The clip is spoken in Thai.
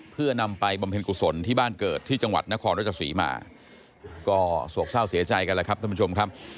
เพื่อนำไปบำเพ็ญกุศลที่บ้านเกิดที่จังหวัดนครรัชศรีมาก็โศกเศร้าเสียใจกันแล้วครับท่านผู้ชมครับ